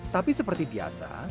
tapi seperti biasa